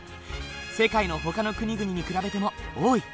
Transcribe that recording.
世界のほかの国々に比べても多い。